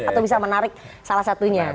atau bisa menarik salah satunya